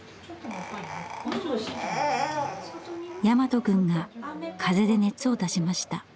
大和くんが風邪で熱を出しました。